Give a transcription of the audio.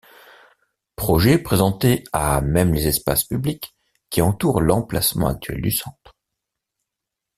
Projet présentés à même les espaces publics qui entourent l'emplacement actuel du centre.